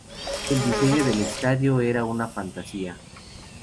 El diseño del estadio era una fantasía.